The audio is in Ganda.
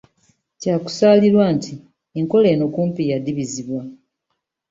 Kyakusaalirwa nti enkola eno kumpi yadibizibwa.